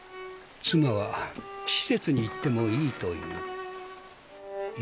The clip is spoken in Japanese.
妻は施設に行ってもいいという。